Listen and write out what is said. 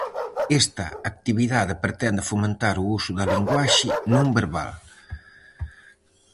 Esta actividade pretende fomentar o uso da linguaxe non verbal.